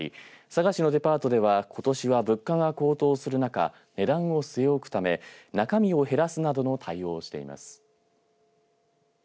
佐賀市のデパートではことしは物価が高騰する中値段を据え置くため中身を減らすなどの対応をしています。